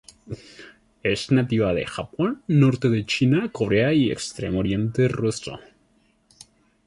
Es nativa de Japón, norte de China, Corea y Extremo Oriente ruso.